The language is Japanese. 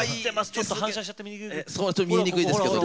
ちょっと反射しちゃって見えないですが。